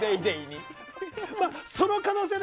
その可能性ね。